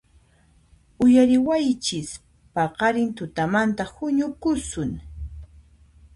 ¡Uyariwaychis! ¡Paqarin tutamantan huñukusun!